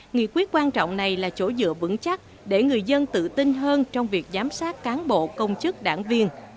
nghị quyết quan trọng này là chỗ dựa vững chắc để người dân tự tin hơn trong việc giám sát cán bộ công chức đảng viên